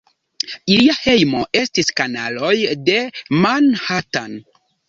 Ilia hejmo estis kanaloj de Manhattan.